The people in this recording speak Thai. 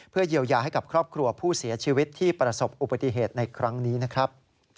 เยียวยาให้กับครอบครัวผู้เสียชีวิตที่ประสบอุบัติเหตุในครั้งนี้นะครับ